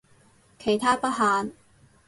其他不限